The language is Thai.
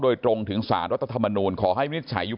โดยตรงถึงสารวัฒนธรรมนูลขอให้มิจฉัย